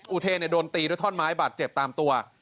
อุเทนโดนตีด้วยท่อนไม้บาดเจ็บตามตัว